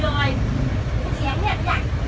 ก็ไม่มีเวลาให้กลับมาที่นี่